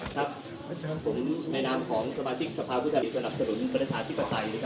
สวัสดีครับผมแม่น้ำของสมาธิกษภาพุทธาลีสนับสนุนประธาชิกษาไทย